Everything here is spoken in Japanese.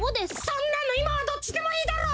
そんなのいまはどっちでもいいだろ！